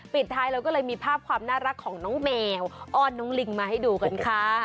ปิดท้ายเราก็เลยมีภาพความน่ารักของน้องแมวอ้อนน้องลิงมาให้ดูกันค่ะ